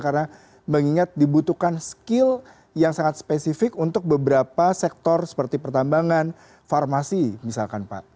karena mengingat dibutuhkan skill yang sangat spesifik untuk beberapa sektor seperti pertambangan farmasi misalkan pak